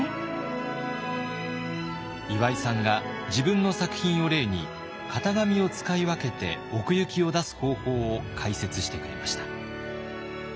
岩井さんが自分の作品を例に型紙を使い分けて奥行きを出す方法を解説してくれました。